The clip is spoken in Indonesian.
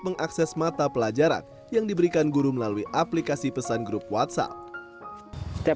mengakses mata pelajaran yang diberikan guru melalui aplikasi pesan grup whatsapp dan